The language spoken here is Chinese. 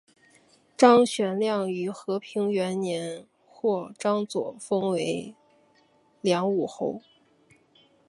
张玄靓于和平元年获张祚封为凉武侯。